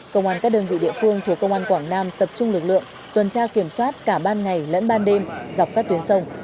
công an các đơn vị địa phương thuộc công an quảng nam tập trung lực lượng tuần tra kiểm soát cả ban ngày lẫn ban đêm dọc các tuyến sông